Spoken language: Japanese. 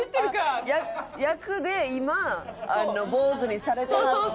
役で今坊主にされていらして。